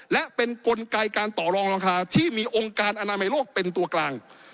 และเป็นกลไกการต่อรองราคาที่มีองค์การอนามัยโลกเป็นตัวกลาง